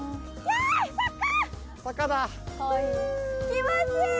気持ちいい！